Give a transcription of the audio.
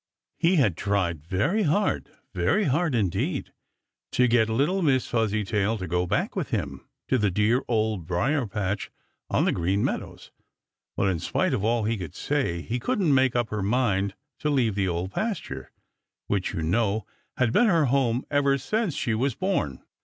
He had tried very hard, very hard indeed, to get little Miss Fuzzytail to go back with him to the dear Old Briar patch on the Green Meadows, but in spite of all he could say she couldn't make up her mind to leave the Old Pasture, which, you know, had been her home ever since she was born.